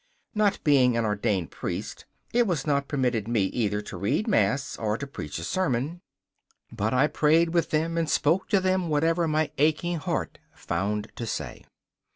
Not being an ordained priest, it was not permitted me either to read mass or to preach a sermon, but I prayed with them and spoke to them whatever my aching heart found to say.